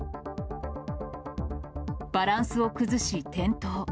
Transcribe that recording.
バランスを崩し、転倒。